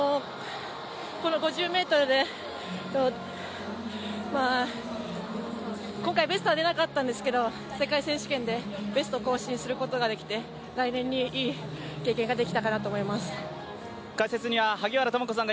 この５０ｍで今回、ベストは出なかったんですけど世界選手権でベスト更新することができて来年にいい経験ができたかなと思います。